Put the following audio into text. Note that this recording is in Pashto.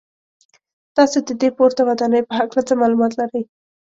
تاسو د دې پورته ودانۍ په هکله څه معلومات لرئ.